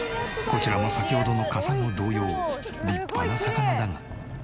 こちらも先ほどのカサゴ同様立派な魚だが。